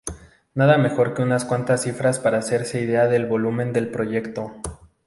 Nada mejor que unas cuantas cifras para hacerse idea del volumen del proyecto.